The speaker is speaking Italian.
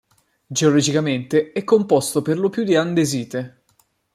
Geologicamente, è composto perlopiù di andesite.